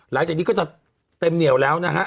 หลังจากนี้ก็จะเต็มเหนียวแล้วนะฮะ